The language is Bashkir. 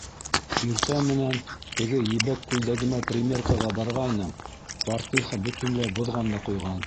Иртә менән теге ебәк күлдәгемә примеркаға барғайным, портниха бөтөнләй боҙған да ҡуйған.